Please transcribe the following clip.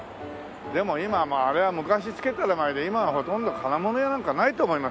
でも今はまああれは昔付けた名前で今はほとんど金物屋なんかないと思いますよ。